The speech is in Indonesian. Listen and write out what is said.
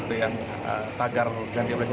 tagar ganti operasi